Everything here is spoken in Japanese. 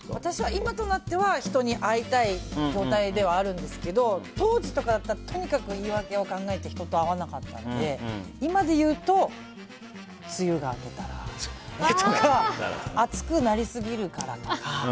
今となっては人に会いたい状態ではあるんですけど、当時はとにかく言い訳を考えて人と会わなかったので今で言うと、梅雨が明けたらとか暑くなりすぎるからとか。